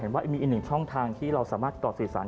เห็นว่ามีอีกหนึ่งช่องทางที่เราสามารถตอบสริสาร